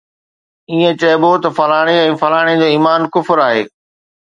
ائين چئبو ته فلاڻي ۽ فلاڻي جو ايمان ڪفر آهي